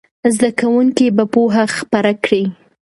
زده کوونکي به پوهه خپره کړي.